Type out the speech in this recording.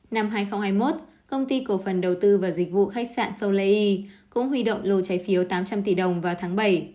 năm hai nghìn hai mươi một công ty cổ phần đầu tư và dịch vụ khách sạn solei cũng huy động lô trái phiếu tám trăm linh tỷ đồng vào tháng bảy